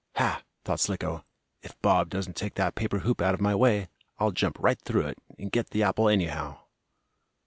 "Ha!" thought Slicko, "if Bob doesn't take that paper hoop out of my way, I'll jump right through it and get the apple anyhow!"